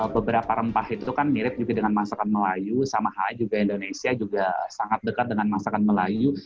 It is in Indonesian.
beberapa rempah itu kan mirip juga dengan masakan melayu sama halnya juga indonesia juga sangat dekat dengan masakan melayu